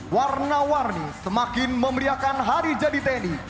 warna warni semakin memeriakan hari jadi tni